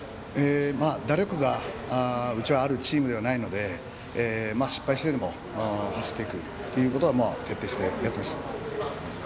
打力が、うちはあるチームではないので失敗してでも走っていくということは徹底してやっていました。